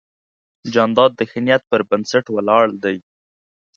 جانداد د ښه نیت پر بنسټ ولاړ دی.